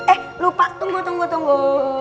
eh lupa tunggu tunggu tunggu